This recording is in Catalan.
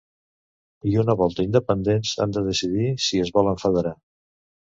I una volta independents, han de decidir si es volen federar.